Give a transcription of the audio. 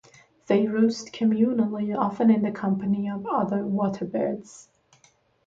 They roost communally often in the company of other waterbirds.